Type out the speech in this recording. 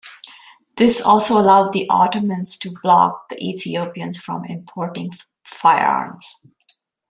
This also allowed the Ottomans to block the Ethiopians from importing firearms.